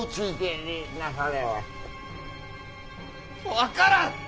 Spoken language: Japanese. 分からん！